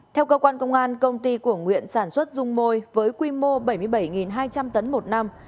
theo cơ quan công an công ty của nguyện sản xuất dung môi với quy mô bảy mươi bảy hai trăm linh tấn một năm